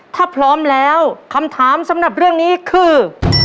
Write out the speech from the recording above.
ถ้าพร้อมแล้วคำถามสำหรับเรื่องนี้คือ